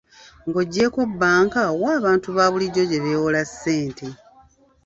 Ng'oggyeeko bbanka, wa abantu baabulijjo gye beewola ssente?